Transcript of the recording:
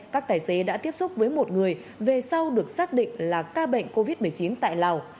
các tài xế đã tiếp xúc với một người về sau được xác định là ca bệnh covid một mươi chín tại lào